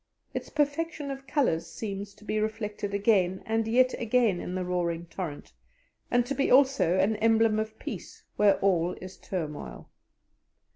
Its perfection of colours seems to be reflected again and yet again in the roaring torrent, and to be also an emblem of peace where all is turmoil.